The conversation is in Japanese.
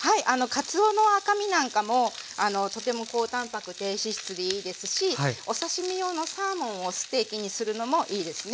かつおの赤身なんかもとても高たんぱく低脂質でいいですしお刺身用のサーモンをステーキにするのもいいですね。